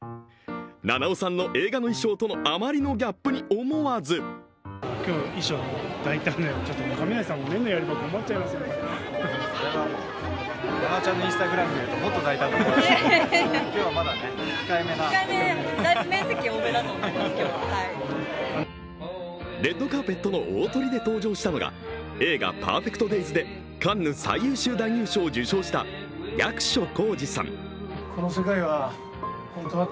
菜々緒さんの映画の衣装とのあまりのギャップに思わずレッドカーペットの大トリで登場したのが映画「ＰＥＲＦＥＣＴＤＡＹＳ」でカンヌ最優秀男優賞を受賞した役所広司さん。